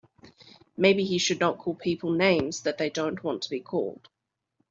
Maybe he should not call people names that they don't want to be called.